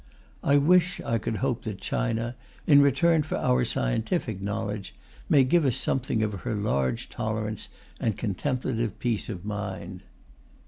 I wish I could hope that China, in return for our scientific knowledge, may give us something of her large tolerance and contemplative peace of mind.